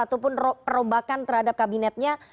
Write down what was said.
ataupun perombakan terhadap kabinetnya